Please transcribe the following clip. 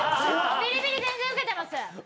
ビリビリ全然受けてます！